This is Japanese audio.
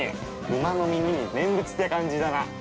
馬の耳に念仏って感じだな。